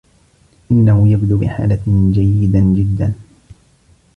إنهُ يبدو بحالة جيداً جداً.